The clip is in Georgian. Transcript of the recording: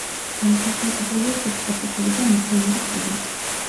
დამახასიათებელია სუბტროპიკული და მუსონური კლიმატი.